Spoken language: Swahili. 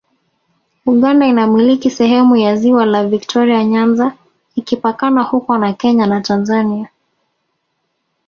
Uganda inamiliki sehemu ya ziwa la Viktoria Nyanza ikipakana huko na Kenya na Tanzania